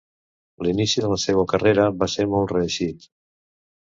L'inici de la seua carrera va ser molt reeixit.